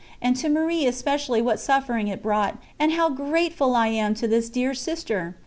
And to Marie especially what suffering it brought, and how grateful I am to this dear sister!